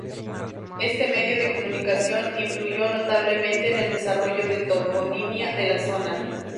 Este medio de comunicación, influyó notablemente en el desarrollo y toponimia de la zona.